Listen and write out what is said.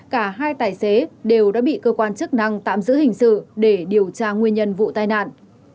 cả hai tài xế đều đã bị cơ quan chức năng tạm giữ hình sự để điều tra nguyên nhân vụ tai nạn